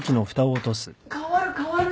代わる代わる。